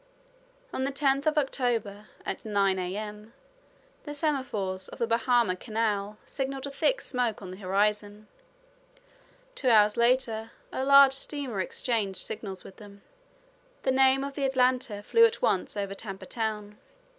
On the 10th of October, at nine A.M., the semaphores of the Bahama Canal signaled a thick smoke on the horizon. Two hours later a large steamer exchanged signals with them. the name of the Atlanta flew at once over Tampa Town.